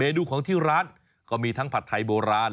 ดูของที่ร้านก็มีทั้งผัดไทยโบราณ